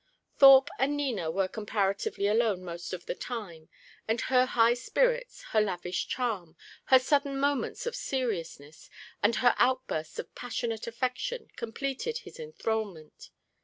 Thorpe and Nina were comparatively alone most of the time; and her high spirits, her lavish charm, her sudden moments of seriousness, and her outbursts of passionate affection completed his enthralment.